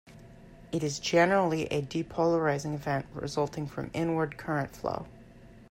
It is generally a depolarizing event resulting from inward current flow.